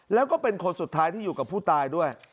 แล้วก็เป็นคนสุดท้ายที่อยู่กับผู้ตายด้วย